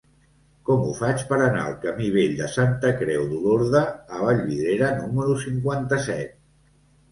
Com ho faig per anar al camí Vell de Santa Creu d'Olorda a Vallvidrera número cinquanta-set?